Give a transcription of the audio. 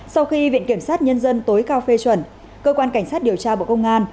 sau khi viện kiểm sát nhân dân tối cao phê chuẩn cơ quan cảnh sát điều tra bộ công an